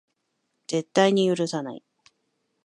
絶対に許さない